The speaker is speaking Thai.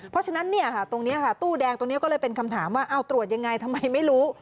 เพราะฉะนั้นตรงนี้ค่ะตู้แดงตรงนี้ก็เลยเป็นคำถามว่าเอาตรวจยังไงทำไมไม่รู้